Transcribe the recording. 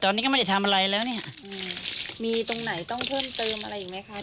ตอนนี้ก็ไม่ได้ทำอะไรแล้วเนี่ยมีตรงไหนต้องเพิ่มเติมอะไรอีกไหมคะ